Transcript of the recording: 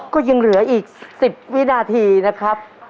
ก็ยังเหลืออีก๑๐วินาทีนะครับ